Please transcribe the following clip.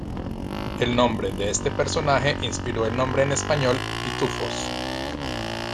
El nombre de este personaje inspiró el nombre en español "Pitufos".